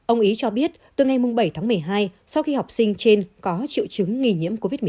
ông ý cho biết từ ngày bảy tháng một mươi hai sau khi học sinh trên có triệu chứng nghi nhiễm covid một mươi chín